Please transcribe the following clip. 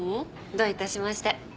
どういたしまして。